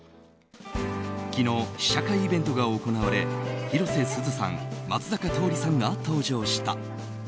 昨日試写会イベントが行われ広瀬すずさん、松坂桃李さんが登場した。